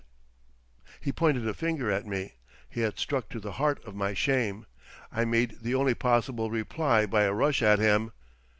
He pointed a finger at me. He had struck to the heart of my shame. I made the only possible reply by a rush at him.